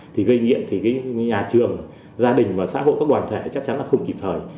thì gây nhiệm nhà trường gia đình xã hội các đoàn thể chắc chắn là không kịp thời